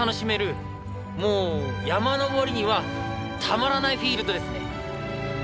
もう山登りにはたまらないフィールドですね。